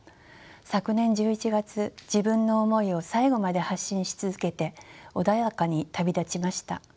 昨年１１月自分の思いを最後まで発信し続けて穏やかに旅立ちました。